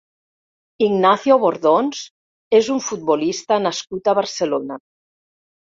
Ignacio Bordons és un futbolista nascut a Barcelona.